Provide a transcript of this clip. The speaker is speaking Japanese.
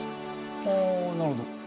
ああなるほど。